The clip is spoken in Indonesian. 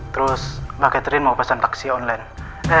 terus mbak catherine mau pesan taksi online